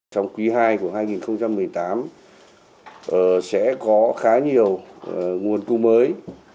trong quý ii của hai nghìn một mươi tám sẽ có khá nhiều nguồn cung mới